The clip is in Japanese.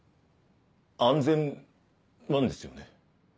安全なんですよね？